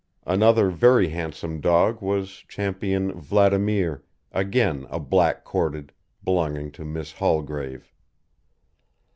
Another very handsome dog was Ch. Vladimir, again a black corded, belonging to Miss Haulgrave.